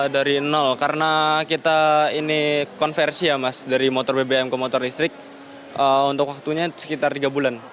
dari nol karena kita ini konversi ya mas dari motor bbm ke motor listrik untuk waktunya sekitar tiga bulan